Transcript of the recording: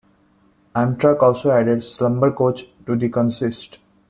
Amtrak also added a Slumbercoach to the consist.